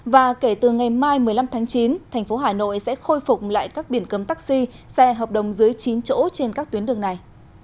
và kể từ ngày mai một mươi năm tháng chín thành phố hà nội sẽ khôi phục lại các biển cấm taxi xe hợp đồng dưới chín chỗ trên các tuyến đường này